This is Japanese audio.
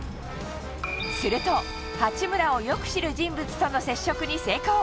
すると、八村をよく知る人物との接触に成功。